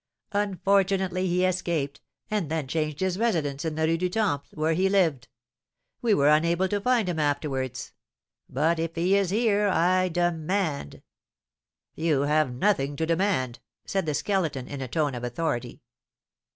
Unfortunately he escaped, and then changed his residence in the Rue du Temple, where he lived; we were unable to find him afterwards. But if he is here, I demand " "You have nothing to demand," said the Skeleton, in a tone of authority.